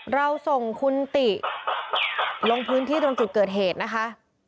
เราส่งคุณติลงพื้นที่ตรงจุดเกิดเหตุนะคะ